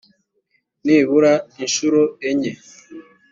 nibura inshuro enye